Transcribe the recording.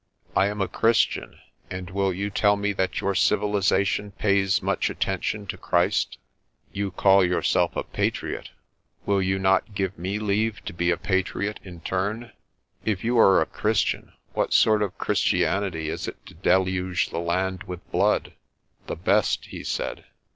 I am a Christian, and will you tell me that your civilisation pays much attention to Christ? You call yourself a patriot? Will you not give me leave to be a patriot in turn? " "If you are a Christian, what sort of Christianity is it to deluge the land with blood?" "The best," he said.